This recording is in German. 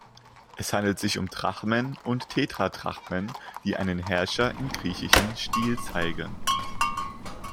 Es handelt sich um Drachmen und Tetradrachmen, die einen Herrscher in griechischen Stil zeigen.